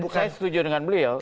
saya setuju dengan beliau